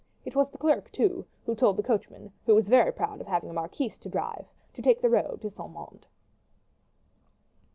It was the clerk, too, who told the coachman, who was very proud of having a marquise to drive, to take the road to Saint Mande.